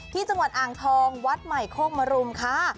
ที่จังหวัดอ่างทองวัดใหม่โคกมรุมค่ะ